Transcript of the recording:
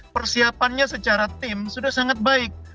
persiapannya secara tim sudah sangat baik